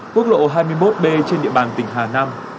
quốc lộ hai mươi một b trên địa bàn tỉnh hà nam